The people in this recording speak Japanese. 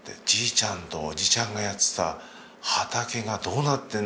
ちゃんとおじちゃんがやってた畑がどうなってんだと。